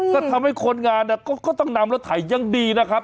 ก็ทำให้คนงานก็ต้องนำรถไถอย่างดีนะครับ